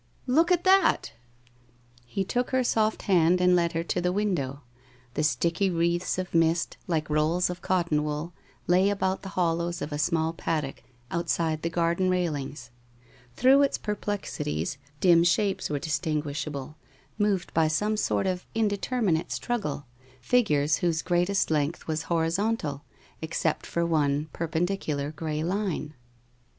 1 Look at that !' He took her soft hand and led her to the window. The sticky wreaths of mist, like rolls of cotton wool, lay about the hollows of a small paddock, outside the garden rail ings. Through its perplexities dim shapes were dis tinguishable, moved by some sort of indeterminate struggle, figures whose greatest length was horizontal, except for one perpendicular gray line.